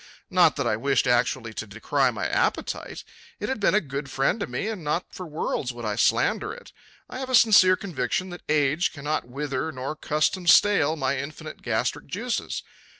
Not that I wished actually to decry my appetite. It had been a good friend to me and not for worlds would I slander it. I have a sincere conviction that age cannot wither nor custom stale my infinite gastric juices.